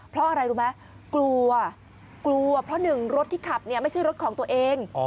เพราะอะไรรู้ไหมกลัวกลัวเพราะหนึ่งรถที่ขับเนี่ยไม่ใช่รถของตัวเอง